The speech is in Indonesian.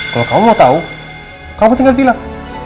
kalau kamu mau tau kamu tinggal bilang